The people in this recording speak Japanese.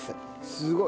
すごい。